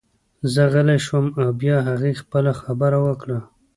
زه غلی شوم او بیا هغې خپله خبره وکړه